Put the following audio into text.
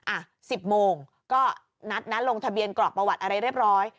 อ่ะ๑๐โมงก็นัดนะลงทะเบียนกรอกประวัติอะไรเรียบร้อย